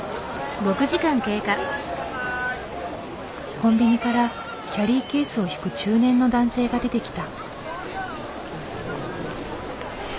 コンビニからキャリーケースを引く中年の男性が出てきた。